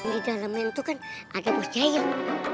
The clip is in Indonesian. di dalemnya itu kan ada bos jahil